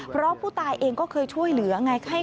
เพราะผู้ตายเองก็เคยช่วยเหลือไง